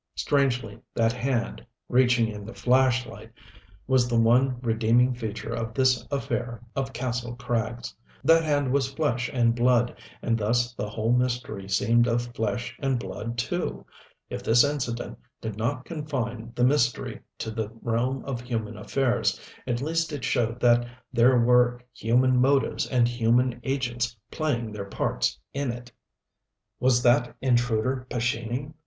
Strangely, that hand reaching in the flashlight was the one redeeming feature of this affair of Kastle Krags. That hand was flesh and blood, and thus the whole mystery seemed of flesh and blood too. If this incident did not confine the mystery to the realm of human affairs, at least it showed that there were human motives and human agents playing their parts in it. Was that intruder Pescini?